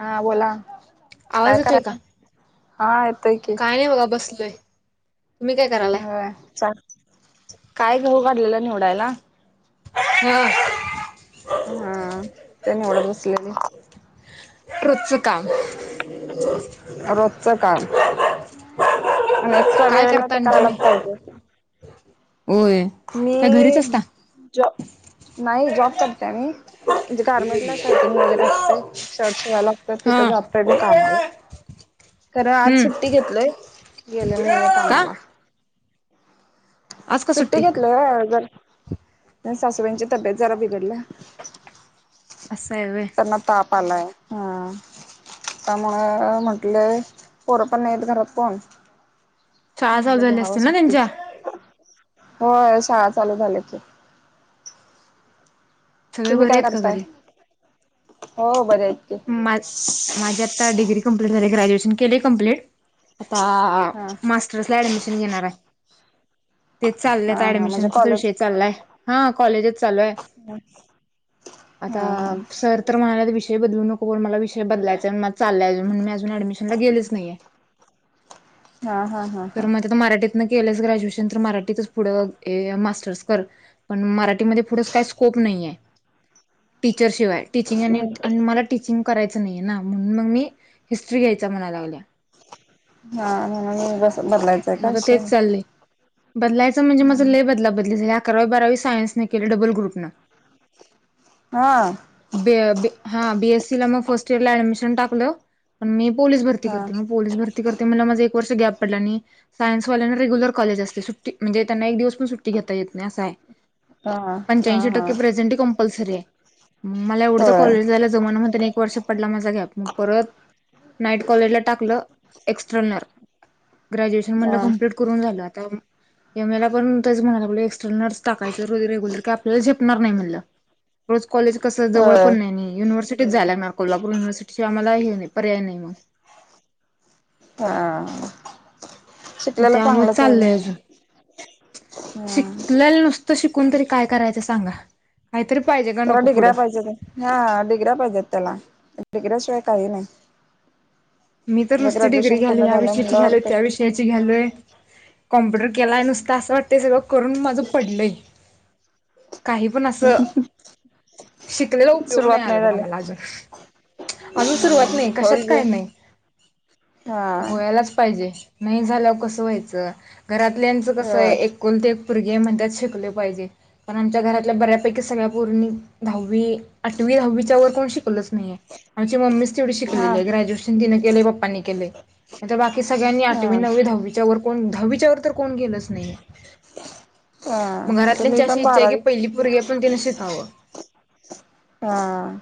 हा बोला काय आवाज येतोय करायला हा येतय आणि बघा बसलोय तुम्ही काय करालाय ह चा काय घऊ काढलेलं निवडायला ह हा त्या निवडत बसलेली रृचकाम रोजचं काम आणि एक्स्ट्रा वेळेला ते करायलाच पाहिजे अस होय मी काय घरीच असता? जॉ नाही जॉब करते मी म्हणजे गार्मेंट ला शर्टिंग वगैरे असते शर्ट शिवायला असत हा. तिथं जातय मी कामाला खरं आज हम्म. सुट्टी घेतलय गेलेलं नाहीे का? कामाला आज का सुट्टी घेतल जरा सासूव्यांंची तब्येत जरा बिघडलं असंवे तपलाय हम त्यामुळ म्हंटले पोरं पण नाहीेत घरात कोण चहा म्हटलं सजले असत घ्यावं ना त्यांचा सुट्टीच होय शाळा चालू झाल्या की. सगळे तुम्ही बरे काय आहेत का करताय? घरी? हो बरं आहे. मा माझी आता डिग्री कंप्लीट झाली ग्रॅज्युएशन केले कंप्लीट आता हा अ मास्टर्स ला ऍडमिशन घेणार आहे. तेच हा चालल्यात हा म्हणजे ऍडमिशनचा च कॉलेज विषय चाललाय हां कॉलेजच चालू आहे. [inaudible] आता हा हा सर तर म्हणाल्यात विष विषय बदलू नको करून मला विषय बदलायचा आहे मला चालय म्हणून मी अजून ॲडमिशनला गेलेच नाही आहे. हां हां. तर मग तर मराठीत न केलंच ग्रॅज्युएशन तर मराठीतच पुढं हे मास्टर्स कर पण मराठीमध्ये पुढंच काही स्कोप नाही आहे टीचर शिवाय. टीचिंग आणि आणि मला टीचिंग करायचं नाहीये ना म्हणून मग मी हिस्ट्री घ्यायचा म्हणा लागल्या. हां नाही म असं बदलायचंय का मग आता विषय? तेच चाललंय. बदलायचं म्हणजे माझं लई बदला बदली झालंय अकरावी बारावी सायन्स न के डबल ग्रुप नं. हां. बी हा बीएस सी ला म फर्स्ट इयर ला ऍडमिशन टाकलं पण मी पोलीस भरती हा करते मग पोलीस भरती करते मला माझं एक वर्ष गॅप क घता येत नाही हा हा पंच्याशी हा टक्के प्रेझेंट कंपल्सरी आहे ला एवढं होय कॉलेजलायला जमा म्हणत एक वर्ष पडला माझा गॅप मग परत नाईट कॉलेजला टाकलं एक्स्ट्ररनल. ग्रॅज्युएशन म्हणलं हा कम्प्लीट करून झालं आता एम ए ला पण तेच म्हणाय लागलोय एक्सटर्नर्स टाकायचं रोज रेग्युलर काय आपल्याला झेपणार नाही म्हणलं. रोज कॉलेज कसं जवळ होय पण नाही ययुनिव्हर्सिटीत जायला लागणार. कोल्हापूर युनिव्हर्सिटी शिवाय आम्हाला हे नाही पर्याय नाही मग. हां. म त्यामुळं चाललंय अजून. हा शिकल्याल नुसतं शिकून तरी काय करायचं सांगा काहीतरी पाहिजे का त्याला नको पुढं. डिग्र्या पाहिजेत हां डिग्र्या पाहिजेत त्याला डिग्र्याशिवाय काही नाही. मी तर आता नुसती डिग्री ग्रॅज्युएशन घ्यालोय पूर्ण या झालं विषयाची म्हणल्यावर घ्यालोय त्या तर विषयाची घ्यालोय. कॉम्प्युटर केलाय नुसतं असं वाटतंय सगळं करून माझं पडलंय. काही पण असं शिकलेला उपयोग नाही सुरुवात आला बघा झाली मला अजून. अजून सुरुवात नाही कशात काय नाही. हां. व्हायला च पाहिजे नाही झाल्यावर कसं व्हायच घरातल्यांच कस आहे होय एक कुलती एक पुरगी आहे म्हणत्यात शिकलं पाहिजे. पण आमच्या घरातल्या बऱ्यापैकी सगळ्या पोरींनी दहावी आठवी दहावीच्यावर कोण शिकलंच नाहीेये आमची मम्मीच तेवढी हा शिकलेली आहे ग्रॅज्युएशन तिनं केलंय पप्पांनी केलंय नंतर बाकी सगळ्यांनी हा आठवी, नववी, दहावीच्या वर कोण दहावीच्यावर तर कोण गेलच नाहीये मग हा तर मी घरातल्यांची अशी पण इच्छा आहे की पहिली पोरगी आहे पण तिने शिकावं. हां.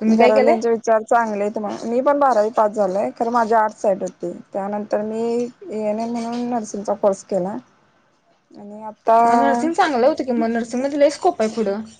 तुम्ही काय केलंय घरातल्यांचे विचार चांगले आहेत म्हणा मी पण बारावी पास झालोय खरं माझ्या आर्टस् साईड होती त्यानंतर मी एएनएम म्हणून नर्सिंगचा कोर्स केला. आणि आप हां नर्सिंग चांगलं होतं की मग नर्सिंग मधी लई स्कोप आहे पुढं.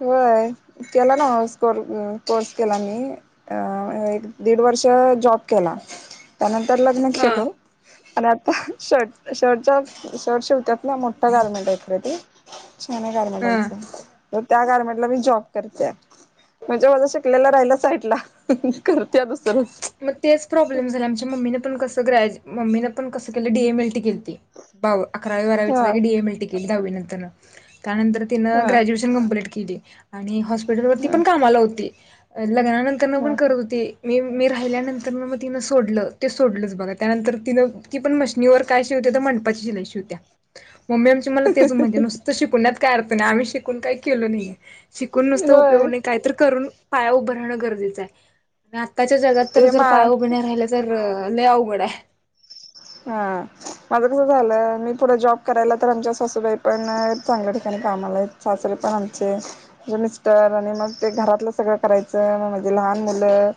होय केला ना कोर्स केला मी. अ एक दीड वर्ष जॉब केला त्यानंतर लग्न हा केलो. आणि आता शर्ट शर्टचा शर्ट शिवत्यात ना मोठा गारमेंट आहे इकडं ते. छान आहे गारमेंट हा आचं तर त्या गारमेंटला मी जॉब करतेय म्हणजे माझा शिकलेला राहिला साईडला करत या दुसरंच मग तेच प्रॉब्लेम झाला आमच्या मम्मीने पण कस ग्रॅ म्मीनें प कं केलं डीएम एल टी केलीती अकरा हा बारावी डीम एल तिकट द्यावी नर त्यानंतर तिनं हा ग्र्युएश के आणि हॉस्पिटल वरती ह पण कामाला होती लग्नानंतर ह पण करत होते मी मी राहिल्यानंतर मग मग तिनं सोडलं ते सोडलंच बघा त्यानंतर तिनं ती पण मशनीवर काय शिवत्या तर म्हणपाची शि नाही शिवत्या मम्मी आमची मला तेच म्हणजे नुसतं शिकवण्यात काय अर्थ नाही आम्ही शिकून काय केलो नाहीये शिकून नुसतं होय उपयोगणे काय तर करून पाया उभं राहणं गरजेचं आहे आत्ताच्या जगात तर ते जर मा पाया उभण्या राहिल्या तर लया उघड आहे हा माझं कसं झालं मी पुढे जॉब करायला तर आमच्या सासूबाई पण चांगल्या ठिकाणी काम आलाय सासरे पण आमचे म्हणजे मिस्टर आणि मग ते घरातलं सगळं करायचं मग माझे लहान मुलं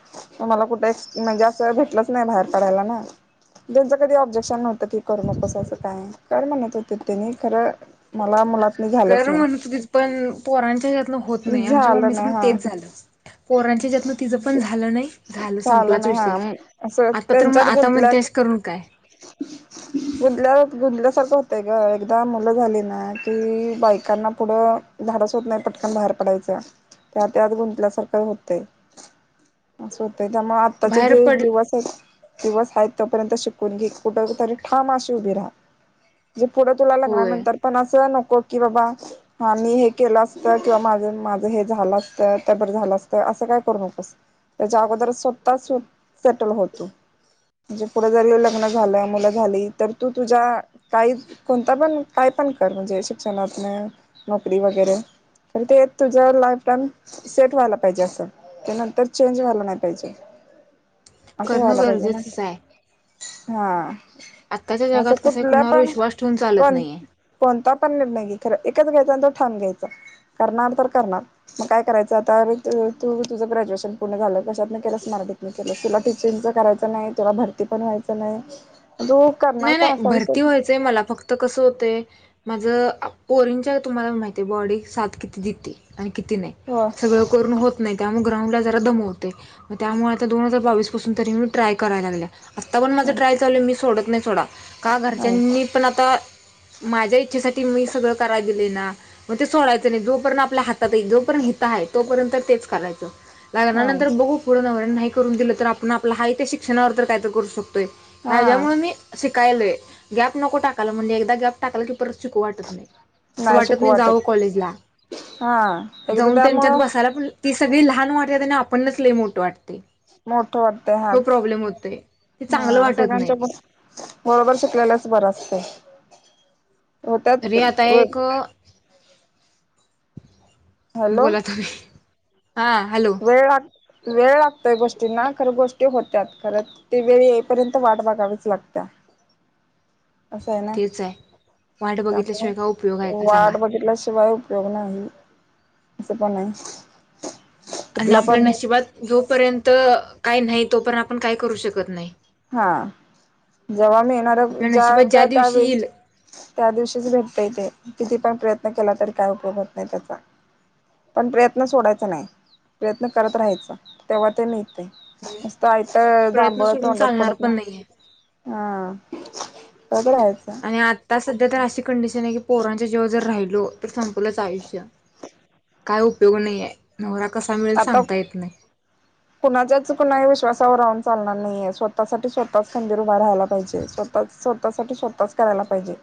मला कुठे म्हणजे अस भेटलंच नाही बाहेर पडायला ना त्यां कधी ऑब्जेक्शन नव्हतं करू मग कसं असं काय कर म्हणत होते तेनी खरं मला मुलातनी झालंच कर म्हण नाही तु त पण पोरांच्या हतन होत नाही आमच्या झालं मम्मीचं पण नाही हा तेच झालं पोरांच्या हेच्यातन तिचं पण झालं नाही झालं संपलाच नाही विषय हा असं आता तर त्यांच्यात आता म्हणत्या करू काय? गुदल्या गुदल्यासारखं होतेय ग एकदा मुलं झाली ना की बायकांना पुढं धाडस होत नाही पटकन बाहेर पडायच त्या त्यात गुंतल्यासारखं होतय. असं होतय त्यामुळे आत्ताचे बाहेर जे पड दिवस आहेत दिवस आहेत तोपर्यंत शिक कोणी कुठतरी ठाम अशी उभी राहा म्हणजे पुढे तुला होय. लग्नानंतर पण असं नको की बाबा हा मी हे केलं असत किंवा माझ माझं हे झालं असतं त्या बर झालं असतं असं काय करू नकोस त्याच्या अगोदर स्वतः सेटल होतो म्हे पुढे जरी झालं मु झाली तर तू तुझ्या काही कोणता पण काय पण कर, म्हणजे शिक्षणातन नोकरी वगैरे कारण तेेत तुझ्या लाईफला सेट व्हायला पाहिजे असं, त्या नंतर चेंज व्हाला नाही पाहिजे. असं करणं व्हायला पाहिजे ना गरजेचंच आहे. हा आत्ताच्या असं जगात कसं आहे कुठलं कुणावर पण विश्वास ठेवून चालत कोण नाहीये. कोणता पण निर्णय घ खर एकच घ्यायचा नंतर ठाम घ्यायचा करणार तर करणार. मग काय करायचं आता अर तू तुझं ग्रॅज्युएशन पूर्ण झालं कशातन केलं स्मारक त्याला तुला टीचिंगचं करायचं नाही, तुला भरती पण व्हायचं नाही, तो नाही, नाही भरती व्हायचंय मला फक्त कसं होतंय. माझं पोरीनच्या तुम्हाला माहिती आहे बॉडी सात किती देते आणि किती नाही हो सगळं होत नाही त्यामुळे ग्राला जरा दमवते त्यामुळे दोन हजार बावीस पाूनी ट्राय करायला लागले. आता पण माझा ह ट्रायल चालू मी सोडत नाही सोडा का घरच्यांनी पण आता माझ्या इच्छेसाठी मी सगळं करा दिले ना! मग ते सोडायचं नाही, जोपर्य आपल्या हातात जोपर्य हित आहे तोपर्यंत तेच कायचं. लाग हा नंतर बघू पुर्ण नाही करून दिलं तर आपण आपला हा त्या शिक्षणावर काय तर करू शकतोय. हा ह्यामुळे मी शिकायलय गॅप नको टाकायला म्हणजे एकदा गॅप टाकाला की परत शिकू वाटत. असं वाटत नाही जाऊ कॉलेजला हा एकदा जाऊन त्यांच्यात त्यामुळं बसायला प ती सगळी लहान वाटत आणि आपणच लई मोठ वाटते. मोठ वाटते ह्यो हाच प्रॉब्लेम होतोय ते चांगलं हा वाटत नाही सगळ्यांच्या. बरोबर, शिकलेलाच बर असत त्यात तरी आता एक हॅलो बोला तुम्ही, हा हॅलो! वेळ लाग वेळ लागतोय गोष्टींना खरं गोष्टी होत्यात खरंच ते वेळ येईपर्यंत वाट बगावीच लागत. असं आहे ना! तेच आहे वाट त्यामुळे बघितल्याशिवाय काय उपयोग आहे का सांगा वाट बघितल्याशिवाय पकणला आहे स पना नाही. आणि कुठला आपल्या पण नशिबात जोपर्यंत काय नाही, तोपर्यंत आपण काय करू शकत नाही. हा जेव्हा मिळणार आपल्या नशिबात ज्या ज्याच्या दिवशी त्यावेेळेस येईल त्या दिवशीच भेटतय तेे किती पण प्रयत्न केला तरी काय उपयोगत नाही त्याचा. पण प्रयत्न सोडायचा नाही, प्रयत्न करत राहायचां तेव्हा ते निहे मस्तईत प्रयत्न दांबूळ सोडून तोड चालणार पढतं. पण नाहीये हा सगडंच. आणि आता सध्या तर अशी कंडिशन आहे की पोरांच्या जेव्हा जर राहिलो तर संपलंच आयुष्य काय उपयोग नाही आहे. नवरा कसा मिळेल आता सांगता येत नाही. कुणाच्याच कुही विश्वासावर राहून चालणार नाहीये स्वतः सा स्वतःच खंदिर उभ राहायला पाहिजे. स् स्वतःसाठी स्वतःच करायला पाहिजे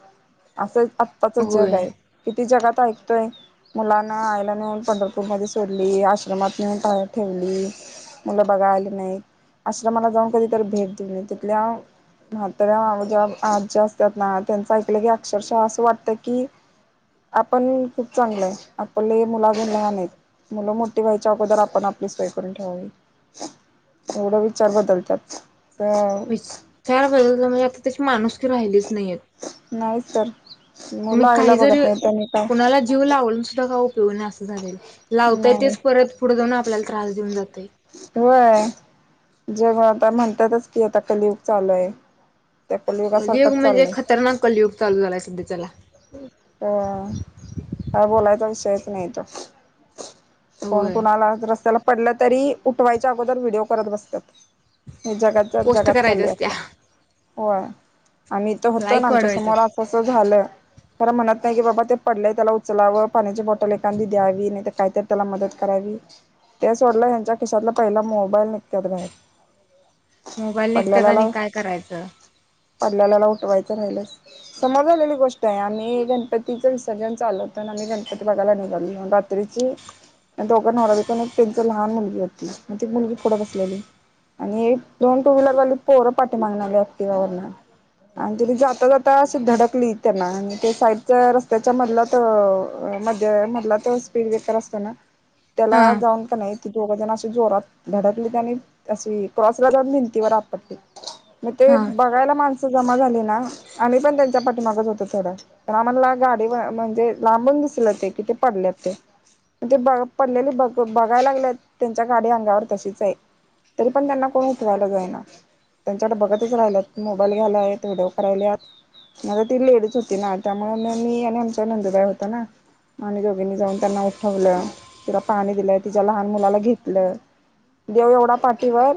असं आत्ताच जग होय आहे. किती जगात ऐकतोय. मुलांना आईला नेऊन पंढरपूर मध्ये सोडली आश्रमात नेऊन ठेवली. मुलं बघा आले नाहीत असश्र मला जाऊन कधीतरी भेट देऊ नय तिथले म्हात्र जे आज्या असतात ना त्यांचं ऐकलं की अक्षरशः असं वाटतं की, आपण खूप चांगलंय आपले मुल अजून लहान आहेत. मुलं मोठी व्हायच्या अगोदर आपण आपली सोय करून ठेवावी. एवढा विचार बदलतात अ शार बदल म्हणजे आता त्याची माणूस की राहिलीच नाहीयत. नाही तर, मी मुलं आईला काही जरी बघत नाही त्यांनी काय कुणाला जीव लावलून सुद्धा काऊ पिऊ न असं झालेल लावताय नाही तेच परत पुढे जाऊन आपल्याला त्रास देऊन जातय. होय, जेव्हा आता म्हणतातच की आता कलीुग चालू आहे. त्या कलियुग कलियुगासारखंच म्हणजे चाललंय खतरनाक कलियुग चालू झालाय सध्याला. अ बोलायचा विषयच नाही तो, कोण होय कोण आला रस्त्याला. पडलं तरी उठवायच्या अगोदर व्हिडिओ करत बसतात हे जगात पोस्ट जगात करायच्या चाललय असत्या आता होय आम्हीथ होतो ना लाईक आमच्या वाढवायच्यात समोर तसं झालं खर म्हणत नाही की बाबा ते पडलेय त्याला उचलावं पाण्याची बॉटल एखादी द्यावी नाही तर कायत त्याला मदत करावी ते सोडलं हेच्या खिशातला पहिला मोबाईल नेत्यात बाहे मोबाईल निघतात आणि काय करायचं पडल्याल्याला उठवायचं राहिलंस समोर झालेली गोष्ट आहे आम्ही गणपतीच विसर्जन चालव होत आम्ही गणपती बघायला निघालो तर दोघां नवरा बायको आणि त्यांची लहान मुलगी होती मग ती एक मुलगी पुढं बसलेली आणि एक दोन टू व्हीलरवाली पोरं पाठी मागणारले ऍक्टिव ववर आणि त्यानी जाता जाताे धडकली त्यांना आणि ते साईडच्या रस्त्याच्या मधला मध्ये मधला तर स्पीड ब्रेकर असतना त्याला हा जाऊन नाही त जोघ जना अ जोरात धडकली आणि अशी क्रॉसराज भिंतीवर आपटली मग ते हा बघायला माणसं जमा झाली ना आणि पण त्यांच्या पाठीमागत होत थोडं पण आम्हाला गाडी म्हणजे लांबून दिसले ते कि ते पडले ते ते ब पडलेली ब बघायला लागले त्यांच्या गाडी अंगावर तशीच आहे तरी पण त्यांना कोण उठवायला जाईना त्यांच्याकडे बघतच राहिलं मोबाईल घ्यायला आहेत्हडओ करायले माझता ती लेडीच होती ना त्यामुळे म मी आणि आमचा नंदुबाई होता ना आणिने दोघींनी जाऊन त्यांना उठवलं तिला पाणी दिलं तिच्या लहान मुलाला घेतलं देव एवढा पाठीवर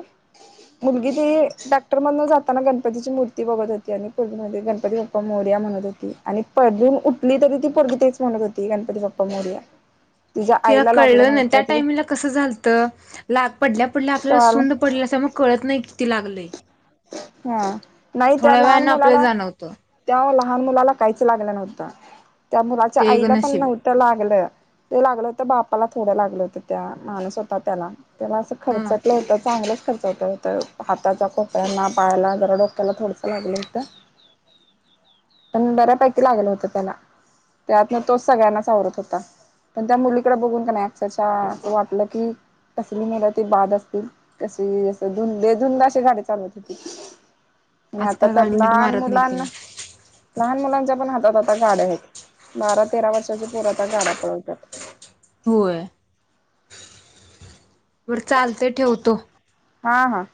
मुलगी ती डॅक्टरमधून जाताना गणपतीची मूर्ती बघत होती आणि पर्मध्ये गणपती ब पप्पा मोर्या म्हणत होती आणि पधून उठली तरी ती पग तेच म्हणत होती गणपती बाप्पा मोर्या तिला कळलं ना त्या तिझ टाइमला कसं झालतं लाग पडल्या पडल्या आपल्याला कळालं सुंड पडले मग कळत नाही किती लागले हा नाही तर लहान वेळानं आपल्याला मुलाला जाणवतं ते्हा लहान मुलाला काहीच लागलं नव्हतं त्या मुलाच्या ते एक आईला पण नशीब नव्हतं लागलं ते लागलं होतं बापाला थोडं लागलं होतं त्या माणस होता त्याला तेव्हा असं खर्च हा केलं होत चांगलंच खर्च होत होत हाताचा ख त्यांना पाहायला जरा डोक्याला थोडसं लागलं होतं पण बऱ्यापैकी लागलं होत त्याला त्यातन तोच सगळ्यांनाचवरत होता पण त्या मुलीकडे बघून का नाहीक् त वाटलं की कसली मला ते बाद असतील कशीुुंद अेाडी चाल हो आता आजकाल तर गाडी नीट लहान मारत नाही मुलांना तिने लहान मुलांच्या पण हातात आात गाड्या आहेत बारा तेरा वर्षाच्या पुर आ गाड्या पळवतात होय वर चालते ठेवतो हा हा